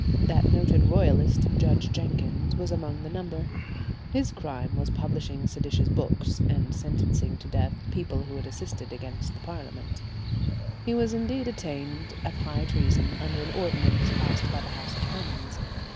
That noted royalist, Judge Jenkins, was among the number. His crime was publishing seditious books, and sentencing to death people who had assisted against the Parliament. He was indeed attainted of high treason under an ordinance passed by the House of Commons.